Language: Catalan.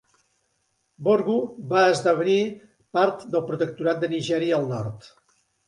Borgu va esdevenir part del protectorat de Nigèria del Nord.